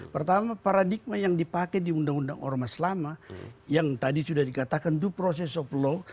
pertama paradigma yang dipakai di undang undang ormas lama yang tadi sudah dikatakan to process of law